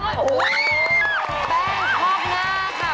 แป้งชอบหน้าค่ะ